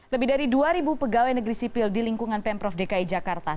lebih dari dua pegawai negeri sipil di lingkungan pemprov dki jakarta